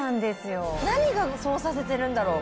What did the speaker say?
何がそうさせてるんだろう。